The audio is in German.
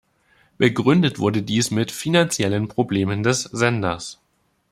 Begründet wurde dies mit finanziellen Problemen des Senders.